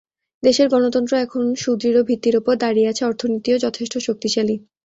দেশের গণতন্ত্র এখন সুদৃঢ় ভিত্তির ওপর দাঁড়িয়ে আছে, অর্থনীতিও যথেষ্ট শক্তিশালী।